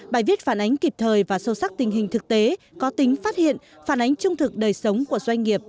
bài viết phản ánh kịp thời và sâu sắc tình hình thực tế có tính phát hiện phản ánh trung thực đời sống của doanh nghiệp